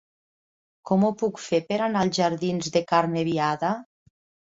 Com ho puc fer per anar als jardins de Carme Biada?